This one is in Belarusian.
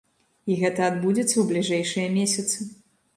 І гэта адбудзецца ў бліжэйшыя месяцы.